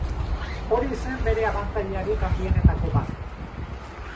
Hori zen bere abantailarik handienetako bat.